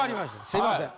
すいません。